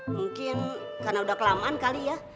mungkin karena udah kelamaan kali ya